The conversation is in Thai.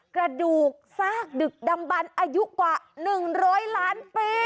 กระดูกซากดึกดำบันอายุกว่า๑๐๐ล้านปี